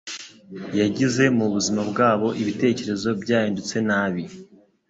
yagize mubuzima bwabo ibitekerezo byahindutse nabi